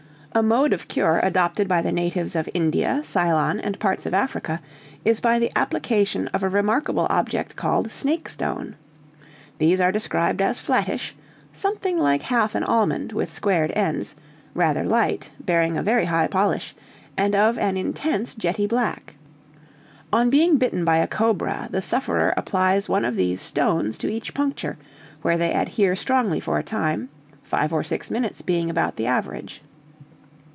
"A mode of cure adopted by natives of India, Ceylon, and parts of Africa, is by the application of a remarkable object called snake stone. These are described as flattish, something like half an almond with squared ends, rather light, bearing a very high polish, and of an intense jetty black. "On being bitten by a cobra, the sufferer applies one of these 'stones' to each puncture, where they adhere strongly for a time, five or six minutes being about the average.